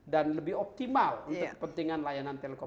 dan lebih optimal untuk kepentingan layanan telekomunikasi